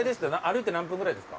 歩いて何分ぐらいですか？